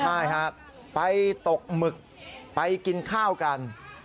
ใช่ครับไปตกหมึกไปกินข้าวกัน